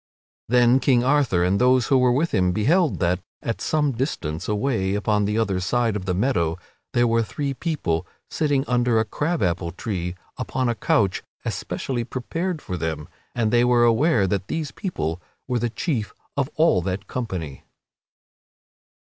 Then King Arthur and those who were with him beheld that, at some distance away upon the other side of the meadow, there were three people sitting under a crab apple tree upon a couch especially prepared for them, and they were aware that these people were the chief of all that company.